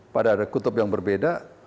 pada kutub yang berbeda